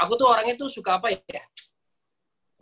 aku tuh orangnya tuh suka apa ya